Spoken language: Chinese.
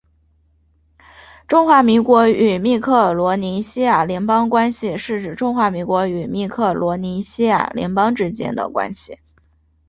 中华民国与密克罗尼西亚联邦关系是指中华民国与密克罗尼西亚联邦之间的关系。